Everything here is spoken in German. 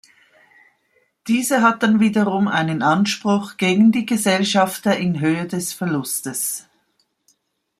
Diese hat dann wiederum einen Anspruch gegen die Gesellschafter in Höhe des Verlusts.